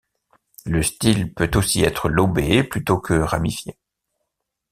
Le style peut aussi être lobé plutôt que ramifié.